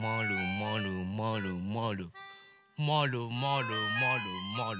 まるまるまるまるまるまるまる。